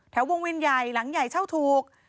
วงวินใหญ่หลังใหญ่เช่าถูก